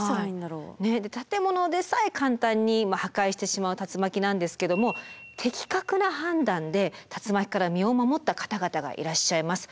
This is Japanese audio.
建物でさえ簡単に破壊してしまう竜巻なんですけども的確な判断で竜巻から身を守った方々がいらっしゃいます。